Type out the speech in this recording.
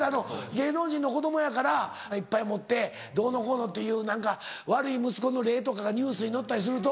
芸能人の子供やからいっぱい持ってどうのこうのっていう悪い息子の例とかがニュースに載ったりすると。